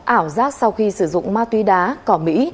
ảo giác sau khi sử dụng ma túy đá cỏ mỹ